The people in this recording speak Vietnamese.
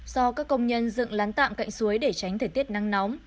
do các công nhân dựng lán tạm cạnh suối để tránh thời tiết nắng nóng